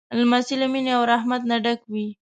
لمسی له مینې او رحمت نه ډک وي.